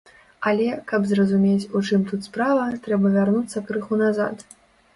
Але, каб зразумець, у чым тут справа, трэба вярнуцца крыху назад.